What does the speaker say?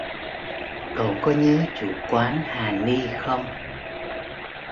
Cậu có nhớ chủ quán hà ni không